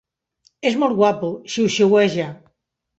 És molt guapo, xiuxiueja.